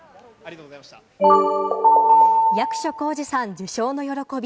役所広司さん、受賞の喜び。